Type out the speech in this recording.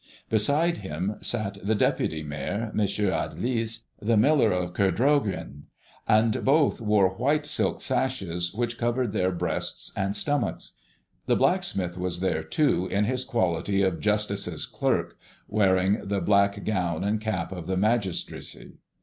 Beside him sat the deputy mayor, M. Adelys, the miller of Kerdroguen; and both wore white silk sashes which covered their breasts and stomachs. The blacksmith was there too in his quality of justice's clerk, wearing the black gown and cap of the magistracy.